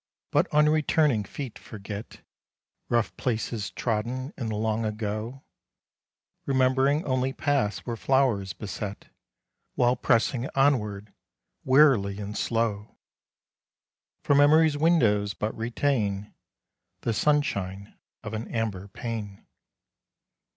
But unreturning feet forget Rough places trodden in the long ago, Rememb'ring only paths with flowers beset, While pressing onward, wearily and slow. For Memory's windows but retain The sunshine of an amber pane.